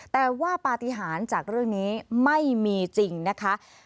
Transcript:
แต่ว่าปฏิหารจากเรื่องนี้ไม่มีจริงนะคะ